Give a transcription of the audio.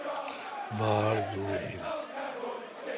باڑ دور این۔